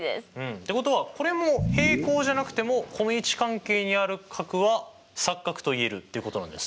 ってことはこれも平行じゃなくてもこの位置関係にある角は錯角と言えるっていうことなんですね。